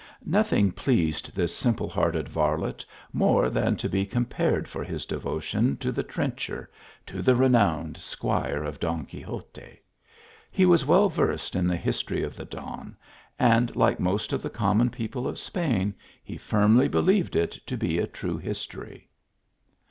Nothing pleased this simple hearted varlet more than to be compared, for his devotion to the trencher, to the renowned rquire of Don Quixote. He was well versed in the history of the Don, and, like most of the common people of Spain, he firmly believed it to be a true history.